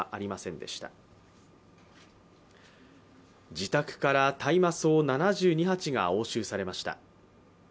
自宅から大麻草７２鉢が押収されました。